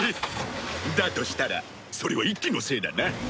だとしたらそれは一輝のせいだな。